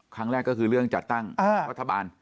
ครั้งแรกก็คือเรื่องจัดตั้งรัฐบาล